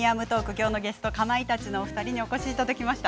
今日のゲストはかまいたちのお二人にお越しいただきました。